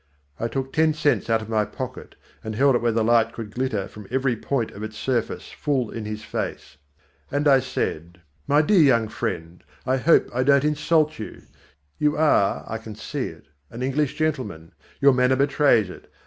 I took ten cents out of my pocket and held it where the light could glitter from every point of its surface full in his face. And I said "My dear young friend, I hope I don't insult you. You are, I can see it, an English gentleman. Your manner betrays it.